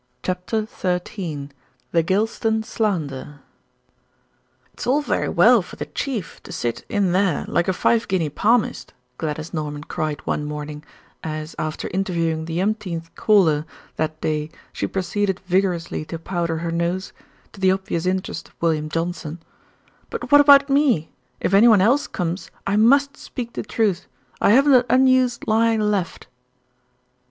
CHAPTER XIII THE GYLSTON SLANDER "It's all very well for the Chief to sit in there like a five guinea palmist," Gladys Norman cried one morning, as after interviewing the umpteenth caller that day she proceeded vigorously to powder her nose, to the obvious interest of William Johnson; "but what about me? If anyone else comes I must speak the truth. I haven't an unused lie left."